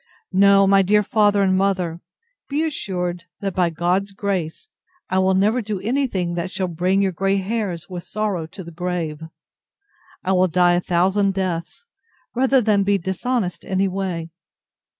No, my dear father and mother, be assured, that, by God's grace, I never will do any thing that shall bring your grey hairs with sorrow to the grave. I will die a thousand deaths, rather than be dishonest any way.